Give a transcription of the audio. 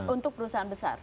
untuk perusahaan besar